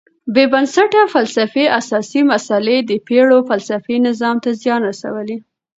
بېبنسټه فلسفي اساسي مسئله د پېړیو فلسفي نظام ته زیان رسولی.